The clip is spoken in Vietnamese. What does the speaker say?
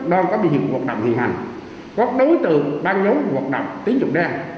đang có biên hiệu hoạt động hiện hành các đối tượng ban giống hoạt động tín dụng đen